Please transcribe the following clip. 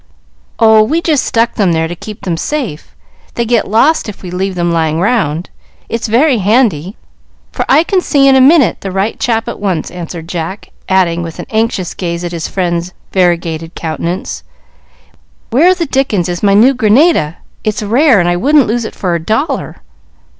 "Oh, we just stuck them there to keep them safe; they get lost if we leave them lying round. It's very handy, for I can see in a minute what I want on Jill's face and she on mine, and put our fingers on the right chap at once," answered Jack, adding, with an anxious gaze at his friend's variegated countenance, "Where the dickens is my New Granada? It's rare, and I wouldn't lose it for a dollar."